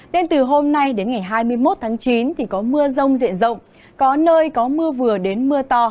nên từ hôm nay đến ngày hai mươi một tháng chín thì có mưa rông diện rộng có nơi có mưa vừa đến mưa to